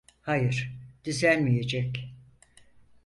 Hayır, düzelmeyecek.